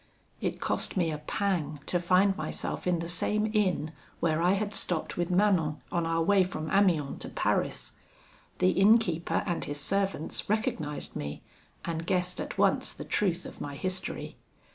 It cost me a pang to find myself in the same inn where I had stopped with Manon on our way from Amiens to Paris. The innkeeper and his servants recognised me, and guessed at once the truth of my history.